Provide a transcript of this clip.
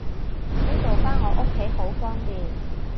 呢度返我屋企好方便